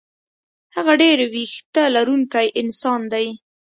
هغه ډېر وېښته لرونکی انسان دی.